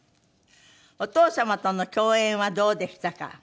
「お父様との共演はどうでしたか？」